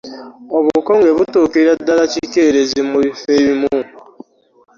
Obukonge butuukira ddala kikeerezi mu bifo ebimu .